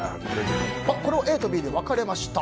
これはＡとＢで分かれました。